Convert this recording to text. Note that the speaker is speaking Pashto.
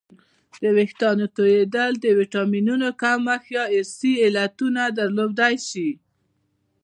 د وېښتانو تویدل د ویټامینونو کمښت یا ارثي علتونه درلودلی شي